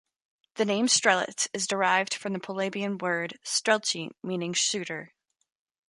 The name "Strelitz" is derived from the Polabian word "Strelci", meaning "shooter".